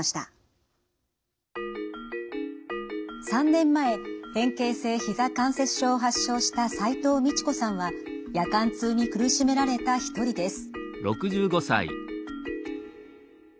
３年前変形性ひざ関節症を発症した齋藤道子さんは夜間痛に苦しめられた一人です。